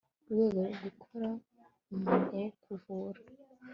rwego rwo gukora umwuga wo kuvura